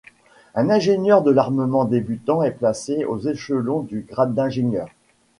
Un ingénieur de l'armement débutant est placé au échelon du grade d'ingénieur.